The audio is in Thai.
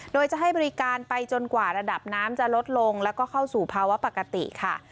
โดยจะให้บริการไปจนกว่าระดับน้ำจะลดลงแล้วก็เข้าสู่ภาวะปกติค่ะ